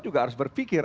juga harus berpikir